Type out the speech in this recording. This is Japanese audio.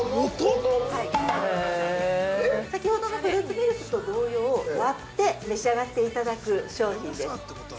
◆先ほどのフルーツミルクと同様割って召し上がっていただく商品です。